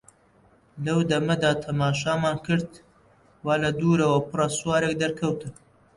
لەو دەمەدا تەماشامان کرد وا لە دوورەوە بڕە سوارێک دەرکەوتن.